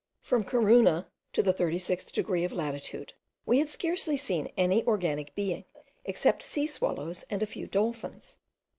From Corunna to the 36th degree of latitude we had scarcely seen any organic being, excepting sea swallows and a few dolphins.